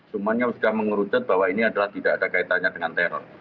semuanya sudah mengerucut bahwa ini adalah tidak ada kaitannya dengan teror